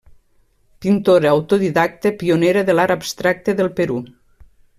Pintora autodidacta pionera de l'art abstracte del Perú.